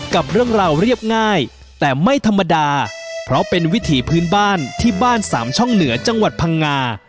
กับเรื่องราวเรียบง่ายแต่ไม่ธรรมดาเพราะเป็นวิถีพื้นบ้านที่บ้านสามช่องเหนือจังหวัดพังงา